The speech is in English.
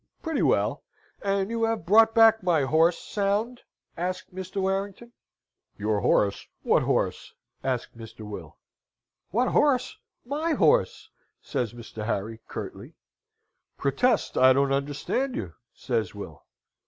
Pretty well. "And you have brought back my horse sound?" asked Mr. Warrington. "Your horse! what horse?" asked Mr. Will. "What horse? my horse!" says Mr. Harry, curtly. "Protest I don't understand you," says Will.